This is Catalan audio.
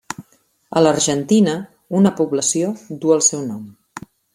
A l'Argentina una població du el seu nom.